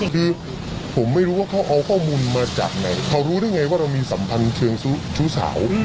คือผมไม่รู้ว่าเขาเอาข้อมูลมาจากไหนเขารู้ได้ไงว่าเรามีสัมพันธ์เชิงชู้สาว